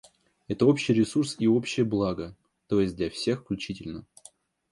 Это общий ресурс и общее благо, т.е. для всех включительно.